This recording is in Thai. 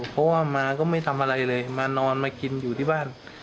เพราะว่ามาก็ไม่ทำอะไรเลยมานอนมากินอยู่ที่บ้าน